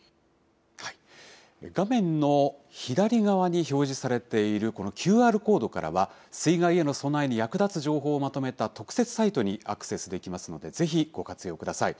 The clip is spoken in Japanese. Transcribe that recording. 画面の左側に表示されている、このＱＲコードからは、水害への備えに役立つ情報をまとめた特設サイトにアクセスできますので、ぜひご活用ください。